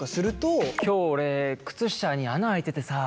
今日俺靴下に穴開いててさ。